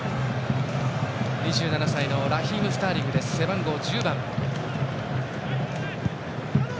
２７歳、ラヒーム・スターリング背番号１０番。